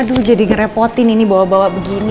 aduh jadi ngerepotin ini bawa bawa begini